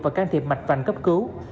và can thiệp mạch vành cấp cứu